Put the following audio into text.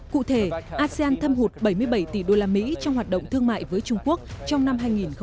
cụ thể asean thâm hụt bảy mươi bảy tỷ đô la mỹ trong hoạt động thương mại với trung quốc trong năm hai nghìn một mươi năm